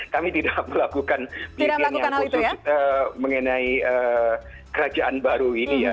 kami tidak melakukan penelitian yang khusus mengenai kerajaan baru ini ya